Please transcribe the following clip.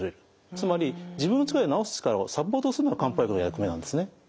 つまり自分の力で治す力をサポートするのが漢方薬の役目なんですね。